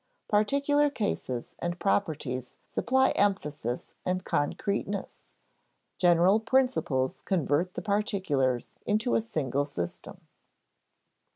Particular cases and properties supply emphasis and concreteness; general principles convert the particulars into a single system.